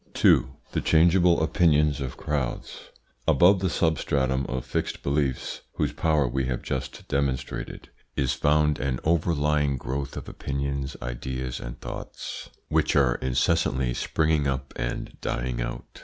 2. THE CHANGEABLE OPINIONS OF CROWDS Above the substratum of fixed beliefs, whose power we have just demonstrated, is found an overlying growth of opinions, ideas, and thoughts which are incessantly springing up and dying out.